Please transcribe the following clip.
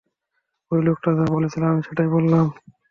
ওই লোকটা যা বলেছিল, আমি সেটাই বললাম।